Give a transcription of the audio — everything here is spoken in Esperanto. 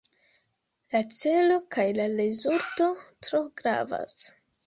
La celo kaj la rezulto tro gravas.